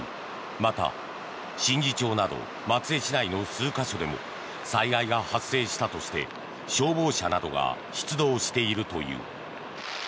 また、宍道町など松江市内の数か所でも災害が発生したとして消防車などが出動しているという。